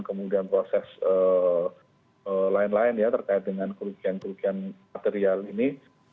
kemudian proses lain lain ya terkait dengan kerugian kerugian material ini